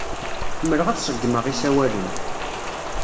Ḥemmleɣ ad ṣeggmeɣ isawalen.